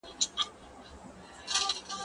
که وخت وي موبایل کاروم